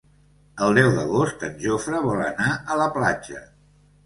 El deu d'agost en Jofre vol anar a la platja.